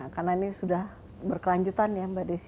karena ini sudah berkelanjutan ya mbak desi